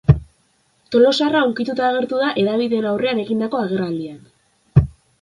Tolosarra hunkituta agertu da hedabideen aurrean egindako agerraldian.